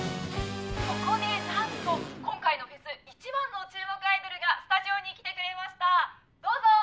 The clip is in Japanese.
「ここでなんと今回のフェス一番の注目アイドルがスタジオに来てくれましたどうぞ」